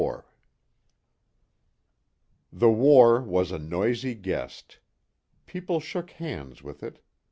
24 The war was a noisy guest. People shook hands with it.